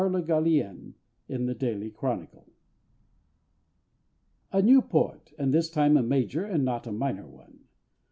LE GALLIENNE, in The Daily Chronicle. A new poet and this time a major and not a minor one.